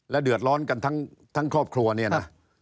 เดือดร้อนกันทั้งครอบครัวเนี่ยนะ